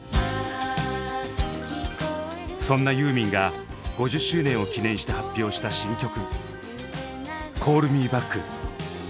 そんなユーミンが５０周年を記念して発表した新曲「Ｃａｌｌｍｅｂａｃｋ」。